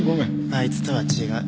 あいつとは違う。